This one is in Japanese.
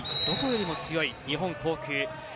どこよりも強い日本航空。